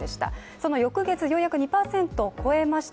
その翌月、ようやく２％を超えました。